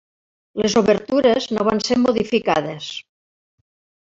Les obertures no van ser modificades.